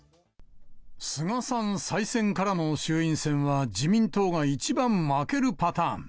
菅さん再選からの衆院選は、自民党が一番負けるパターン。